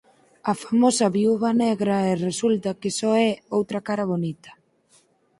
A famosa Viúva Negra e resulta que só é outra cara bonita.